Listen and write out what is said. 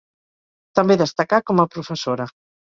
També destacà com a professora.